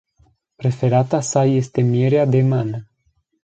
Preferata sa este mierea de mană.